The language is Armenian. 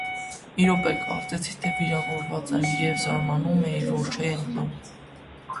Մի րոպե կարծեցի, թե վիրավորված եմ, և զարմանում էի, որ չէի ընկնում: